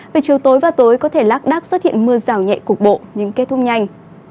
về chiều tối và tối có thể lác đác xuất hiện mưa rào nhẹ cục bộ nhưng kết thúc nhanh